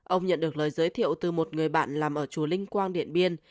ông nhận được lời giới thiệu từ một người bạn làm ở chùa linh quang điện biên